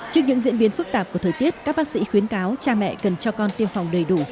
trước những diễn biến phức tạp của thời tiết các bác sĩ khuyến cáo cha mẹ cần cho con tiêm phòng đầy đủ